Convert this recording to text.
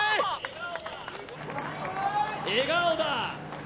笑顔だ